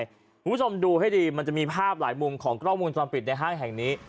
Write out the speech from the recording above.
คุณผู้ชมดูให้ดีมันจะมีภาพหลายมุมของกล้องวงจรปิดในห้างแห่งนี้